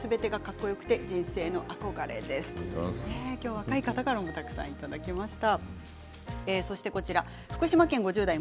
若い方からもたくさんいただきました。